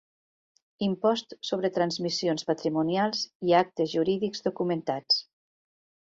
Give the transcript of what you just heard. Impost sobre transmissions patrimonials i actes jurídics documentats.